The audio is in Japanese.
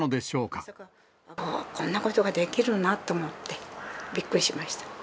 よくこんなことができるなと思って、びっくりしました。